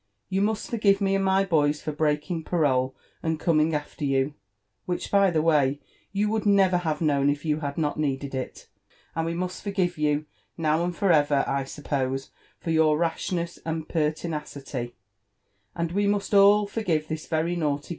You must forgive me and ray boys for breaking parole and coming after you, — which, by the way. you would never have known if yoft had not needed it ; and we must forgive you, now and for ever, I suppose, for your rashness and pertinacity; and we must all forgive this very naughty.